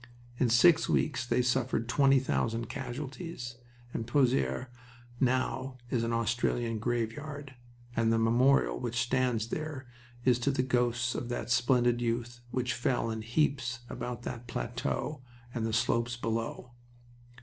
In six weeks they suffered twenty thousand casualties, and Pozieres now is an Australian graveyard, and the memorial that stands there is to the ghosts of that splendid youth which fell in heaps about that plateau and the slopes below.